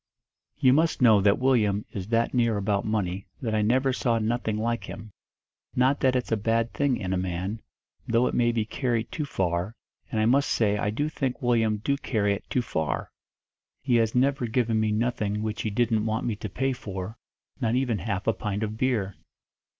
"You must know that Willyum is that near about money that I never saw nothing like him; not that it's a bad thing in a man, though it may be carried too far and I must say I do think Willyum do carry it too far. He has never given me nothing which he didn't want me to pay for, not even half a pint of beer.